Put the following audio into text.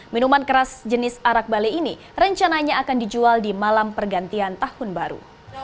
minuman keras jenis arak bale ini rencananya akan dijual di malam pergantian tahun baru